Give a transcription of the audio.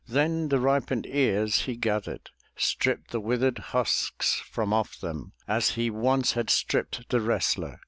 Then the ripened ears he gathered. Stripped the withered husks from off them, As he once had stripped the wrestler.